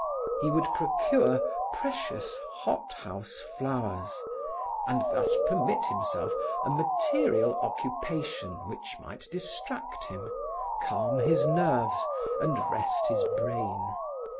He would procure precious hot house flowers and thus permit himself a material occupation which might distract him, calm his nerves and rest his brain.